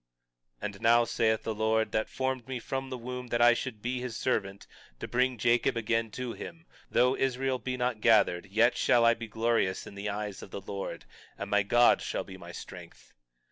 21:5 And now, saith the Lord—that formed me from the womb that I should be his servant, to bring Jacob again to him—though Israel be not gathered, yet shall I be glorious in the eyes of the Lord, and my God shall be my strength.